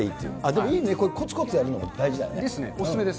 でもいいね、こつこつやるの大事だよね。